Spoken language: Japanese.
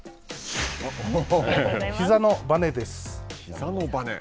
ひざのバネです。